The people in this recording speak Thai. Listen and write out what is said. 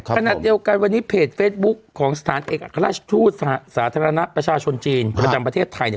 ขณะเดียวกันวันนี้เพจเฟซบุ๊คของสถานเอกอัครราชทูตสาธารณะประชาชนจีนประจำประเทศไทยเนี่ย